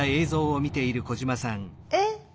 えっ？